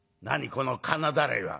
この金だらいは？」。